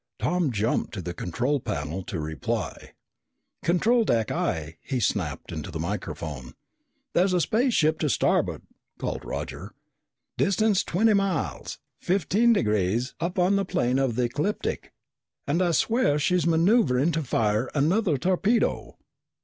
Tom jumped to the control panel to reply. "Control deck, aye!" he snapped into the microphone. "There's a spaceship to starboard!" called Roger. "Distance twenty miles, fifteen degrees up on the plane of the ecliptic. And I swear she's maneuvering to fire another torpedo!"